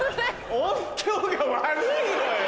音響が悪いのよ。